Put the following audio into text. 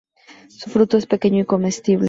Su fruto es pequeño y comestible.